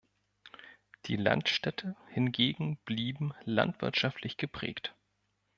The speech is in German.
Die Landstädte hingegen blieben landwirtschaftlich geprägt.